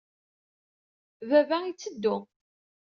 Baba itteddu.